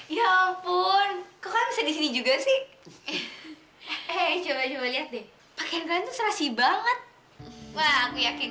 ya ampun kok bisa disini juga sih eh coba coba lihat deh pakai ganteng serasi banget aku yakin